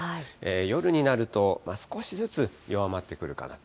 夜になると少しずつ弱まってくるかなと。